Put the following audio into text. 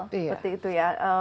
seperti itu ya